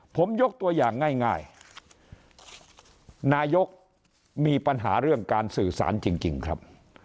ผมยกตัวอย่างง่ายนายกมีปัญหาเรื่องการสื่อสารจริงครับ